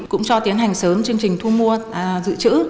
cũng cho tiến hành sớm chương trình thu mua dự trữ